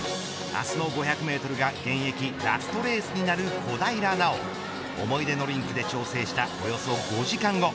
明日の５００メートルが現役ラストレースになる小平奈緒思い出のリンクで挑戦したおよそ５時間後。